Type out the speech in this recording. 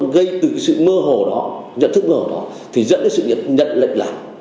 gây từ sự mơ hồ đó nhận thức mơ hồ đó thì dẫn đến sự nhận lệnh lạc